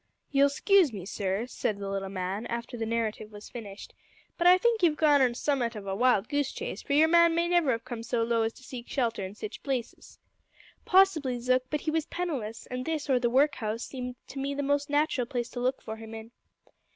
"You'll 'scuse me, sir," said the little man, after the narrative was finished, "but I think you've gone on summat of a wild goose chase, for your man may never have come so low as to seek shelter in sitch places." "Possibly, Zook; but he was penniless, and this, or the work house, seemed to me the natural place to look for him in."